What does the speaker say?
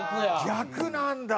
逆なんだ。